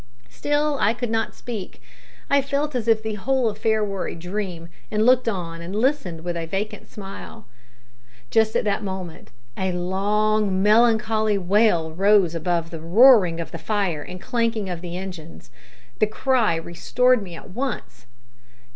Still I could not speak. I felt as if the whole affair were a dream, and looked on and listened with a vacant smile. Just at that moment a long, melancholy wail rose above the roaring of the fire and clanking of the engines. The cry restored me at once.